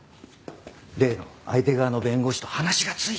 例の相手側の弁護士と話がついたってさ。